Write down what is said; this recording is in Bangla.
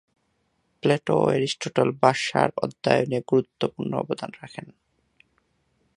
প্লেটো ও অ্যারিস্টটল ভাষার অধ্যয়নে গুরুত্বপূর্ণ অবদান রাখেন।